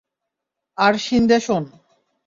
আর শিন্দে শোন।